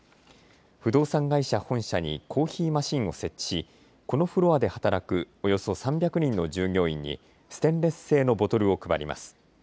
不動産会社本社にコーヒーマシンを設置しこのフロアで働くおよそ３００人の従業員にステンレス製のボトルを配ります。